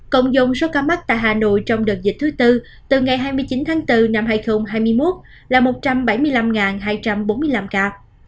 cộng dông số ca mắc tại hà nội trong đợt dịch thứ tư từ ngày hai mươi chín tháng bốn năm hai nghìn hai mươi một là một trăm bảy mươi năm hai trăm bốn mươi năm ca